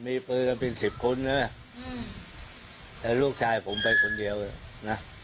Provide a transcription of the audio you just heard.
มีปืนกันเป็นสิบคนนะแต่ลูกชายผมเป็นคนเดียวนะ